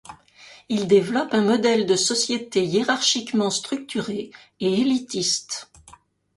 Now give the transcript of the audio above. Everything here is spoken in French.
Il développe un modèle de société hiérarchiquement structurée et élitiste.